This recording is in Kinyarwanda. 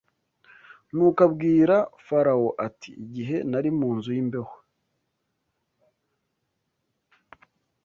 Nuko abwira Farawo ati igihe nari mu nzu y’imbohe